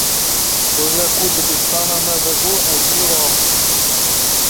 Roja ku dibistana me vebû, ez zû rabûbûm.